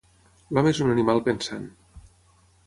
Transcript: L'home és un animal pensant.